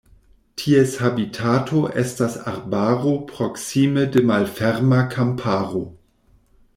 Ties habitato estas arbaro proksime de malferma kamparo.